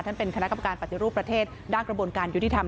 เป็นคณะกรรมการปฏิรูปประเทศด้านกระบวนการยุติธรรม